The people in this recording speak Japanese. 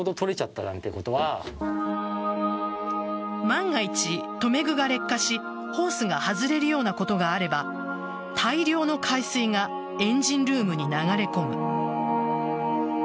万が一、留め具が劣化しホースが外れるようなことがあれば大量の海水がエンジンルームに流れ込む。